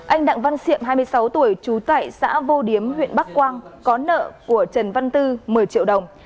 anh đặng văn siệm hai mươi sáu tuổi trú tại xã vô điếm huyện bắc quang có nợ của trần văn tư một mươi triệu đồng